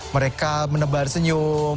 mereka menebar senyum